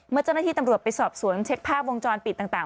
เจ้าหน้าที่ตำรวจไปสอบสวนเช็คภาพวงจรปิดต่าง